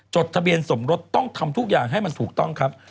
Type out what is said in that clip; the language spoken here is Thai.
จดทะเบียนสมรสต้องทำทุกอย่างให้มันถูกต้องครับ